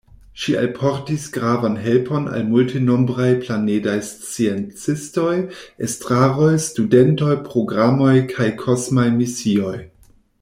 Ŝi alportis gravan helpon al multenombraj planedaj sciencistoj, estraroj, studentoj, programoj kaj kosmaj misioj.